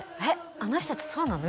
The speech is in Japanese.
あの人ってそうなの？